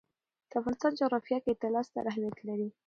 د افغانستان جغرافیه کې طلا ستر اهمیت لري.